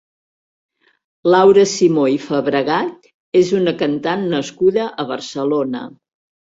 Laura Simó i Fabregat és una cantant nascuda a Barcelona.